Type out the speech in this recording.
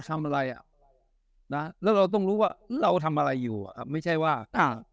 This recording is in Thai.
ทำอะไรอ่ะนะแล้วเราต้องรู้ว่าเราทำอะไรอยู่อ่ะไม่ใช่ว่าอ่า